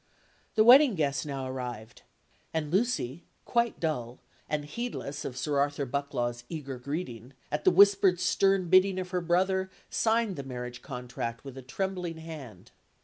The wedding guests now arrived; and Lucy, quite dull, and heedless of Sir Arthur Bucklaw's eager greeting, at the whispered stern bidding of her brother, signed the marriage contract with a trembling hand.